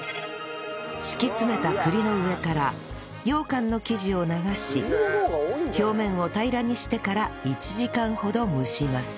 敷き詰めた栗の上からようかんの生地を流し表面を平らにしてから１時間ほど蒸します